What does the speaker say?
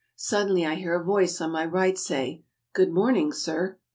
Suddenly I hear a voice on my right say, "Good morning, sir!"